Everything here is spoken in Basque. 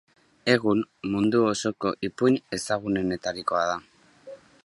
Egun, mundu osoko ipuin ezagunenetarikoa da.